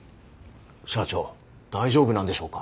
社長大丈夫なんでしょうか？